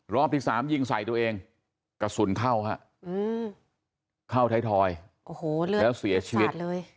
รอบที่๓ยิงใส่ตัวเองกระสุนเข้าเข้าท้ายทอยแล้วเสียชีวิต